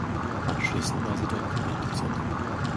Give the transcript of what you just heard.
Anschließend war sie dort Privatdozentin.